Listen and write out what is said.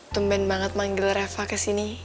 tumban banget manggil reva kesini